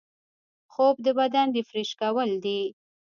خوب د بدن ریفریش کول دي